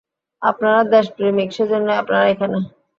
আপনারা দেশপ্রেমিক, সেজন্যই আপনারা এখানে।